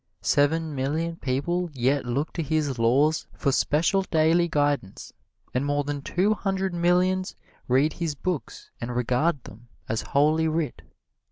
Seven million people yet look to his laws for special daily guidance, and more than two hundred millions read his books and regard them as Holy Writ.